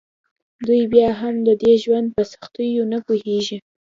دوی بیا هم د دې ژوند په سختیو نه پوهیږي